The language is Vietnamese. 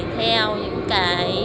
theo những cái